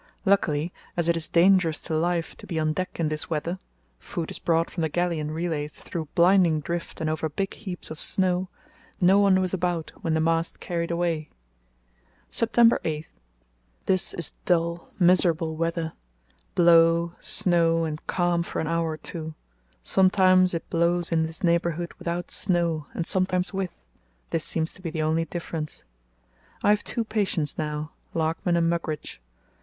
Luckily, as it is dangerous to life to be on deck in this weather (food is brought from the galley in relays through blinding drift and over big heaps of snow), no one was about when the mast carried away. "September 8.—This is dull, miserable weather. Blow, snow, and calm for an hour or two. Sometimes it blows in this neighbourhood without snow and sometimes with—this seems to be the only difference. I have two patients now, Larkman and Mugridge.